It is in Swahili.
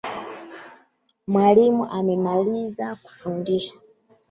Mwalimu amemaliza kufundisha